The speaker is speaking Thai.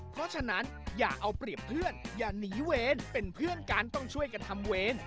เพราะฉะนั้นอย่าเอาเปรียบเพื่อนอย่าหนีเวรเป็นเพื่อนกันต้องช่วยกันทำเวร